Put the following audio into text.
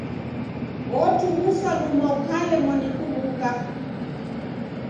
Otughusa luma ukalemwa ni kuw'uka.